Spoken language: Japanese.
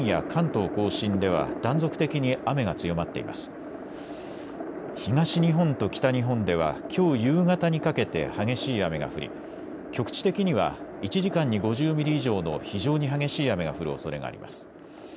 東日本と北日本ではきょう夕方にかけて激しい雨が降り局地的には１時間に５０ミリ以上の非常に激しい雨が降るおそれがあります。